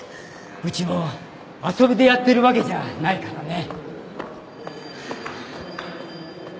うちも遊びでやってるわけじゃないからね。